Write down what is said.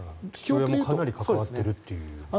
父親もかなり関わっているということですね。